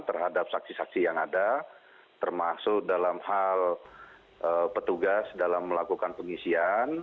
terhadap saksi saksi yang ada termasuk dalam hal petugas dalam melakukan pengisian